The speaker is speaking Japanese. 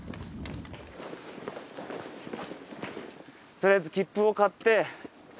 とりあえず切符を買って。